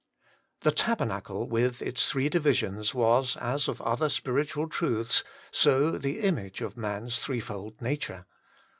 2. The tabernacle with Its three divisions was, as of other spiritual truths, so the Image of man's threefold nature.